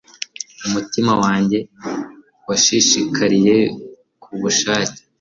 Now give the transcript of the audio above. umutima wanjye washishikariye kubushaka